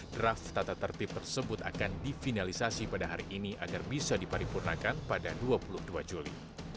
draft tata tertib tersebut akan difinalisasi pada hari ini agar bisa diparipurnakan pada dua puluh dua juli